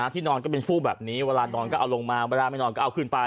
ที่นอนก็เป็นฟูกแบบนี้เวลานอนก็เอาลงมาเวลาไม่นอนก็เอาขึ้นไป